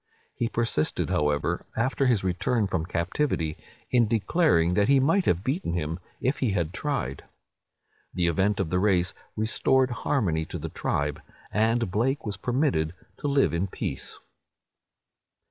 He persisted, however, after his return from captivity, in declaring that he might have beaten him, if he had tried. The event of the race restored harmony to the tribe, and Blake was permitted to live in peace."